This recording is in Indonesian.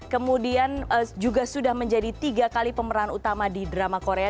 kemudian juga sudah menjadi tiga kali pemeran utama di drama korea